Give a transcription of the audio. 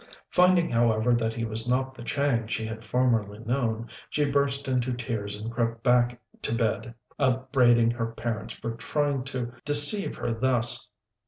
Finding, however, that he was not the Chang she had formerly known, she burst into tears and crept back to bed, upbraiding her parents for trying to deceive her thus.